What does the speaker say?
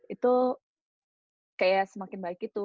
itu kayak semakin baik itu